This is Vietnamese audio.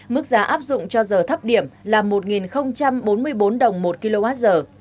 mức giá áp dụng cho giờ thấp điểm là một bốn mươi bốn đồng một kwh